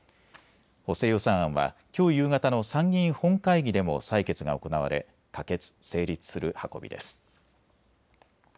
補正予算案はきょう夕方の参議院本会議でも採決が行われ可決・成立する運びです。